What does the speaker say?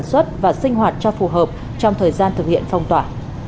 để tổ chức lao động sản xuất và sinh hoạt cho phù hợp trong thời gian thực hiện phong tỏa